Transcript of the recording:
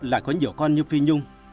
lại có nhiều con như phi nhung